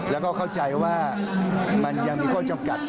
แล้วก็เข้าใจว่ามันยังมีข้อจำกัด